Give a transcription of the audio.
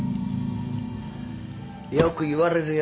よく言われるよ。